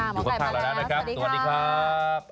อยู่ข้างเราแล้วนะครับสวัสดีครับ